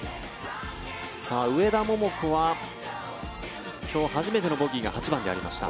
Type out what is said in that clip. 上田桃子は今日初めてのボギーが８番でありました。